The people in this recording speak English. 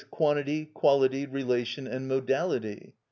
_, quantity, quality, relation, and modality.